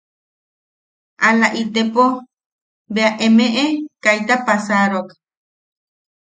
Ala itepo... bea emeʼe kaita pasaroak.